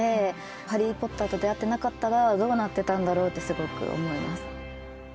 「ハリー・ポッター」と出会ってなかったらどうなってたんだろうってすごく思います。